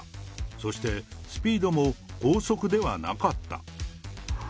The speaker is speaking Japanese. そしてスピードも高速ではなかった。